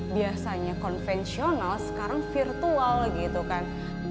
biasanya konvensional sekarang virtual gitu kan